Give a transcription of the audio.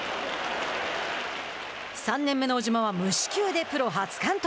３年目の小島は無四球でプロ初完投。